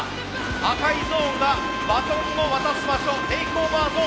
赤いゾーンがバトンを渡す場所テイクオーバーゾーン。